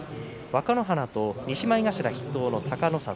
若乃花と西前頭筆頭の隆の里。